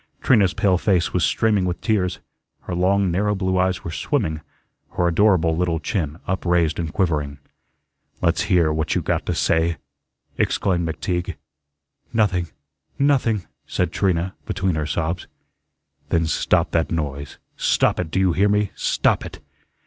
Trina's pale face was streaming with tears; her long, narrow blue eyes were swimming; her adorable little chin upraised and quivering. "Let's hear what you got to say," exclaimed McTeague. "Nothing, nothing," said Trina, between her sobs. "Then stop that noise. Stop it, do you hear me? Stop it."